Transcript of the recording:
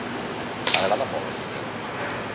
M'agrada molt el llibre.